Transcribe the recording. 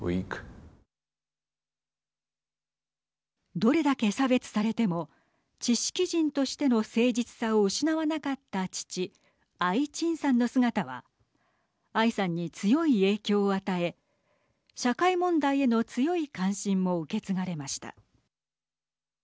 どれだけ差別されても知識人としての誠実さを失わなかった父アイ・チンさんの姿はアイさんに強い影響を与え社会問題への強い関心も受け継がれました。